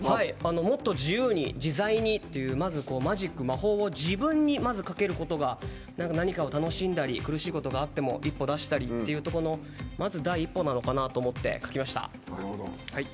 もっと自由に自在にっていうマジック、魔法を自分にまずかけることが何かを楽しんだり苦しんだことがあっても一歩出したりというところの第一歩なのかなと思って書きました。